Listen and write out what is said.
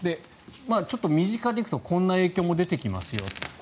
ちょっと身近で行くとこんな影響も出てきますよと。